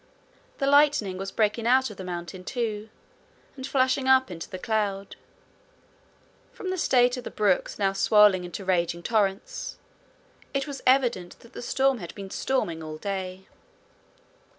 The lightning was breaking out of the mountain, too, and flashing up into the cloud. From the state of the brooks, now swollen into raging torrents, it was evident that the storm had been storming all day.